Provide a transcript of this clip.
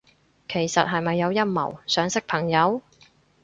其實係咪有陰謀，想識朋友？